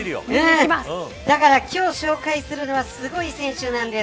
だから、今日紹介するのはすごい選手なんです。